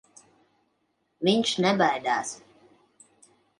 Viņš nebaidās.